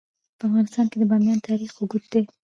په افغانستان کې د بامیان تاریخ اوږد دی.